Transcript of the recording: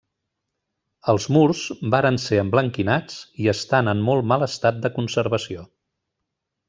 Els murs varen ser emblanquinats i estan en molt mal estat de conservació.